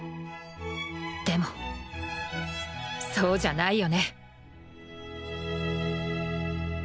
でもそうじゃないよね